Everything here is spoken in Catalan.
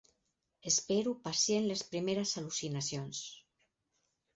Espero pacient les primeres al·lucinacions.